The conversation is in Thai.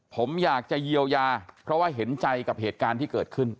ผมอยากจะเยียวยาเพราะว่าเห็นใจกับเหตุการณ์ที่เกิดขึ้น